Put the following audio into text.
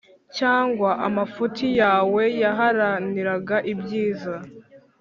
cyangwa amafuti yawe waharaniraga ibyiza